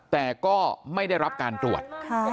แต่ก็ไม่ได้รับการตรวจ